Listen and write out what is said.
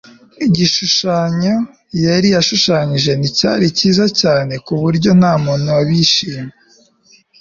igishushanyo yari ashushanyije nticyari cyiza cyane kuburyo ntamuntu wabishimye